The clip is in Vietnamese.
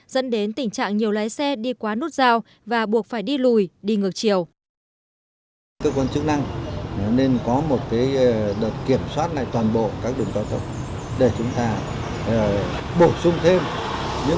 dẫn đến tình trạng nhiều lái xe đi quá nút rào và buộc phải đi lùi đi ngược chiều